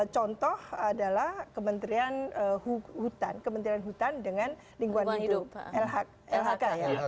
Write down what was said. contoh adalah kementerian hutan dengan lingkungan hidup lhk